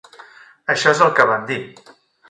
Això és el que van dir.